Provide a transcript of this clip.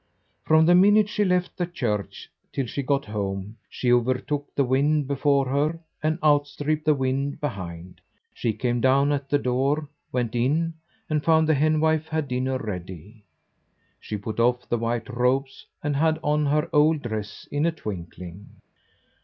From the minute she left the church till she got home, she overtook the wind before her, and outstripped the wind behind. She came down at the door, went in, and found the henwife had dinner ready. She put off the white robes, and had on her old dress in a twinkling.